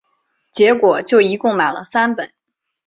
结果就一共买了三本